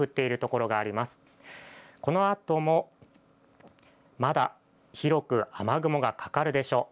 このあともまだ広く雨雲がかかるでしょう。